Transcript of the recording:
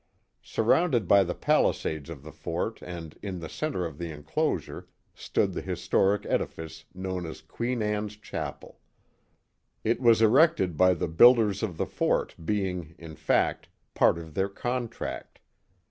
Surrounded by the palisades of the fort and in the centre of the enclosure stood the historic edifice known as Queen Ann's Chapel. It was erected by the builders of the fort, being, in fact, part of their contract.